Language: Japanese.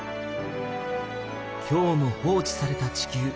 今日も放置された地球。